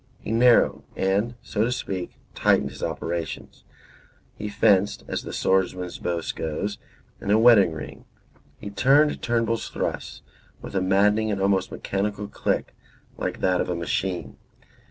He narrowed, and, so to speak, tightened his operations: he fenced (as the swordsman's boast goes), in a wedding ring; he turned Turnbull's thrusts with a maddening and almost mechanical click, like that of a machine.